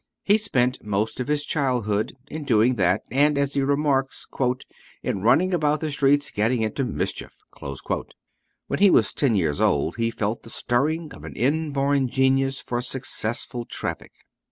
He spent most of his childhood in doing that, and, as he remarks, "in running about the streets getting into mischief." When he was ten years old he felt the stirring of an inborn genius for successful traffic.